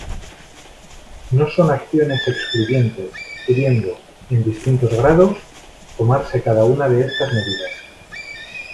No son acciones excluyentes pudiendo, en distintos grados, tomarse cada una de estas medidas.